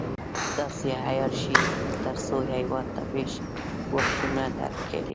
داسې عیار شي تر څو هېواد ته پېښ ګواښونه درک کړي.